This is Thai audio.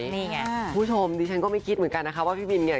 นี่ไงคุณผู้ชมดิฉันก็ไม่คิดเหมือนกันนะคะว่าพี่บินเนี่ย